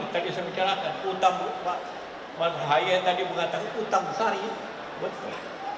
tadi saya bicarakan utang masyarakat yang tadi mengatakan utang besar ya betul